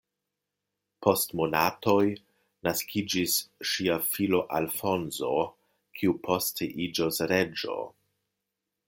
Post monatoj naskiĝis ŝia filo Alfonso, kiu poste iĝos reĝo.